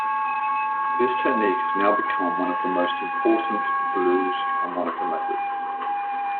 This technique has now become one of the most important blues harmonica methods.